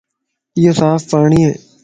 ايو صاف پاڻي ائي